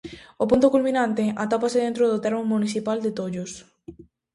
O punto culminante atópase dentro do termo municipal de Tollos.